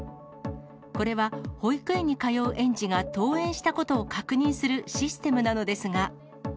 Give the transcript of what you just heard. これは保育園に通う園児が登園したことを確認するシステムなのですが。